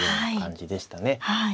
はい。